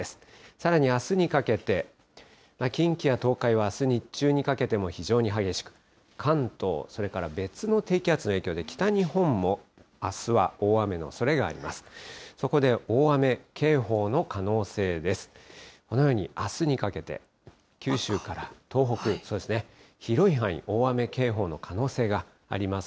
さらにあすにかけて、近畿や東海はあす日中にかけても非常に激しく、関東、それから別の低気圧の影響で、北日本もあすは大雨のおそれがあります。